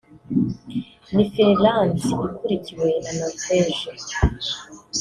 ni Finland ikurikiwe na Norveje